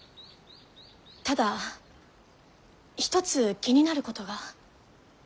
ただ一つ気になることが。